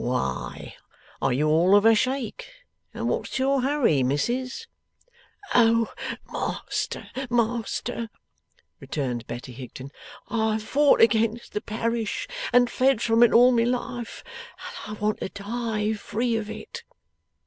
'Why are you all of a shake, and what's your hurry, Missis?' 'Oh, Master, Master,' returned Betty Higden, 'I've fought against the Parish and fled from it, all my life, and I want to die free of it!